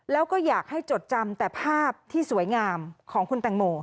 แล้วก็อยากให้จดจำแต่ภาพที่สวยงามของคุณแตงโม